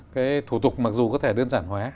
cái thủ tục mặc dù có thể đơn giản hóa